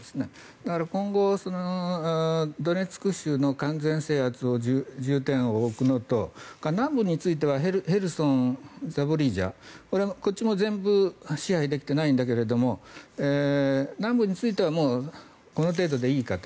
だから、今後ドネツク州の完全制圧に重点を置くのと南部についてはヘルソン、ザポリージャこっちも、全部支配できてはいないんだけれども南部についてはこの程度でいいかと。